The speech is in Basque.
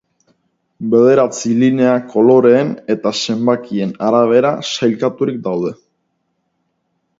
Bederatzi lineak koloreen eta zenbakien arabera sailkaturik daude.